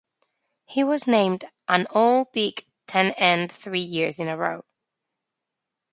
He was named an All-Big Ten End three years in a row.